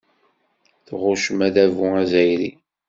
Tɣuccem adabu azzayri.